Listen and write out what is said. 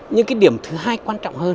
nhưng cái điểm thứ hai quan trọng hơn